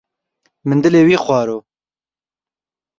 Min dilê wî xwaro!